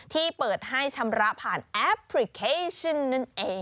ที่เปิดให้ชำระผ่านแอปพลิเคชันนั่นเอง